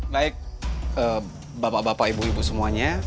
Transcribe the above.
baik bapak bapak ibu ibu semuanya